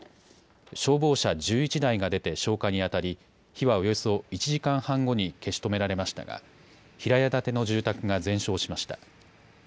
消防車１１台が出て消火にあたり火はおよそ１時間半後に消し止められましたが平屋建ての住宅が全焼しました。